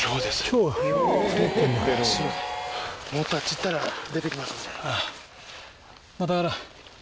もっとあっち行ったら出てきますので。